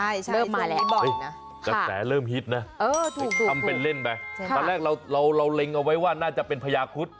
ใช่สงมิตรบ่อยนะแต่เริ่มฮิตนะถึงทำเป็นเล่นไปตอนแรกเราเร็งเอาไว้ว่าน่าจะเป็นพญาครุฑ